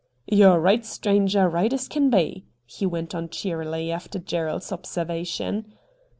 ' You are right, stranger, right as can be,' he went on cheerily after Gerald's observation.